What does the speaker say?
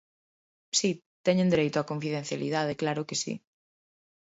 Si, teñen dereito á confidencialidade, claro que si.